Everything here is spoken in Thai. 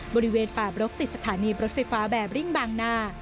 บริเวณป่าบรกติดสถานีรถไฟฟ้าแบบริ่งบางนา